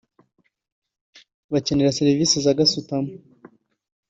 bakenera serivisi za gasutamo